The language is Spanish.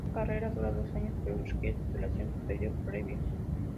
Esta carrera dura dos años pero requiere titulación superior previa.